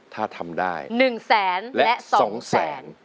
ถ้าทำได้๑แสนและ๒แสน